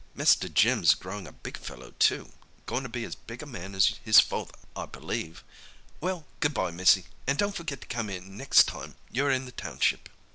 "Master Jim's growing a big fellow, too—goin' to be as big a man as his father, I believe. Well, good bye, missy, and don't forget to come in next time you're in the township."